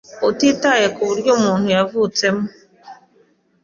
tutitaye ku uburyo umuntu yavutse mo